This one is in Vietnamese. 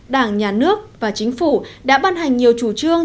đảng nhà nước và chính phủ đã ban hành nhiều chủ trương